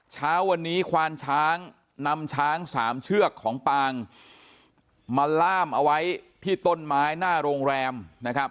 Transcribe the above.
เช้าวันนี้ควานช้างนำช้างสามเชือกของปางมาล่ามเอาไว้ที่ต้นไม้หน้าโรงแรมนะครับ